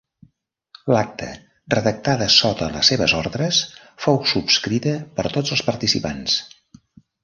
L'acta, redactada sota les seves ordres, fou subscrita per tots els participants.